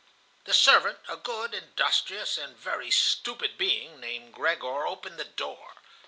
The servant, a good, industrious, and very stupid being, named Gregor, opened the door.